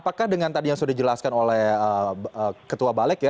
apakah dengan tadi yang sudah dijelaskan oleh ketua balik ya